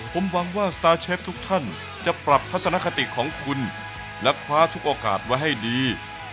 ผมหวังว่าสตาร์เชฟทุกท่านจะปรับทัศนคติของคุณและคว้าทุกโอกาสไว้ให้ดี